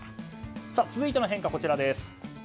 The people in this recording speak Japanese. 続いての変化はこちらです。